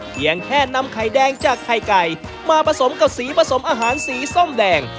เพียงแค่นำไข่แดงจากไข่ไก่มาผสมกับสีผสมอาหารสีส้มแดง